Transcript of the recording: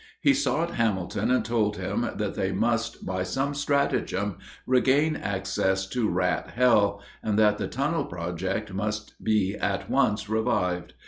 He sought Hamilton and told him that they must by some stratagem regain access to Rat Hell, and that the tunnel project must be at once revived.